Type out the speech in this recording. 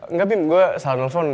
nggak bim gue salah nelfon